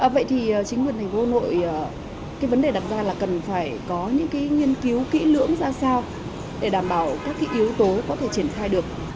vậy thì chính quyền thành phố hà nội cái vấn đề đặt ra là cần phải có những cái nghiên cứu kỹ lưỡng ra sao để đảm bảo các cái yếu tố có thể triển khai được